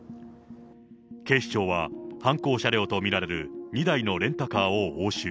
警視庁は、犯行車両と見られる２台のレンタカーを押収。